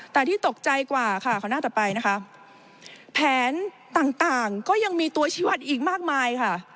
แต่ที่ตกใจกว่าค่ะขอหน้าต่อไปนะคะแผนต่างต่างก็ยังมีตัวชีวัตรอีกมากมายค่ะ